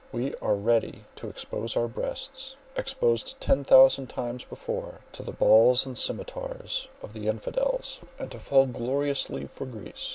We are ready to expose our breasts, exposed ten thousand times before, to the balls and scymetars of the infidels, and to fall gloriously for Greece.